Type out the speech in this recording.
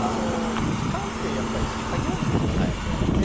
時間ってやっぱり、限られてるわけですよ。